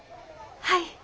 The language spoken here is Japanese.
はい。